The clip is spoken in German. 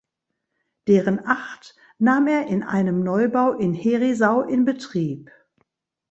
Deren acht nahm er in einem Neubau in Herisau in Betrieb.